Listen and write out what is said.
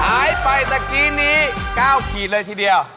หายไปตะกี้นี้๙ขีดเลยทีเดียว